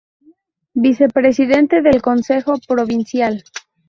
Vicepresidente del Consejo Provincial.